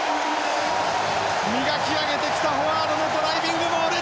磨き上げてきたフォワードのドライビングモール！